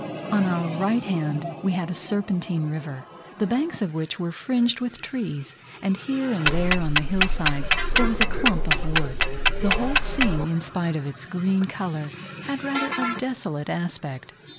On our right hand we had a serpentine river, the banks of which were fringed with trees, and here and there on the hill sides there was a clump of wood. The whole scene, in spite of its green colour, had rather a desolate aspect.